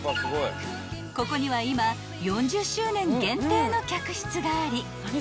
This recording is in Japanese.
［ここには今４０周年限定の客室があり］